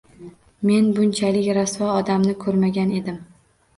Men bunchalik rasvo odamni ko'rmagan edim.